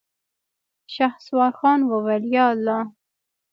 شهسوار خان وويل: ياالله.